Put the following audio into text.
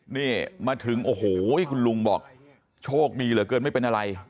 นี่มาถึงโอ้โหคุณลุงบอกโชคดีเหลือเกินไม่เป็นอะไร